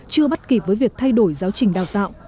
chưa bắt kịp với việc thay đổi giáo trình đào tạo